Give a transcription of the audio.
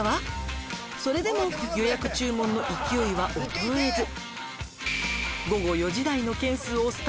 「それでも予約注文の勢いは衰えず」